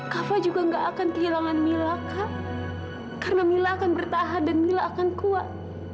kak fadil juga nggak akan kehilangan mila kak karena mila akan bertahan dan mila akan kuat